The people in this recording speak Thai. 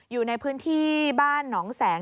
อยู่ในพื้นที่บ้านหนองแสง